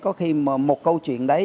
có khi một câu chuyện đấy